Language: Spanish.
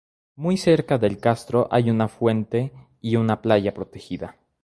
Muy cerca del castro hay una fuente y una playa protegida.